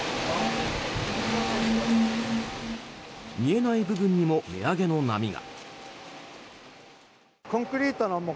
見えない部分にも値上げの波が。